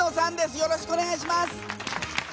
よろしくお願いします。